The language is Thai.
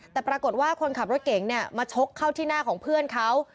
แต่ปรากฏว่าคนขับรถเก๋งมาชกเข้าที่หน้าของเพื่อนเขา